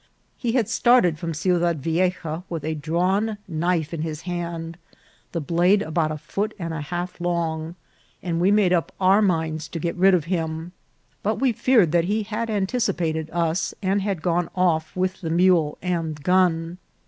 He had started from Ciudad Vieja with a drawn knife in his hand, the blade about a foot and a half long, and we made up our minds to get rid of him ; but we feared that he had anticipated us, and had gone off with the mule and gun.